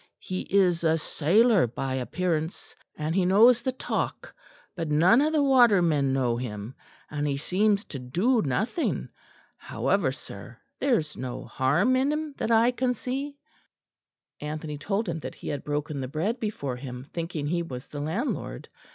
He is a sailor by appearance, and he knows the talk; but none of the watermen know him; and he seems to do nothing. However, sir, there's no harm in him that I can see." Anthony told him that he had broken the bread before him, thinking he was the landlord.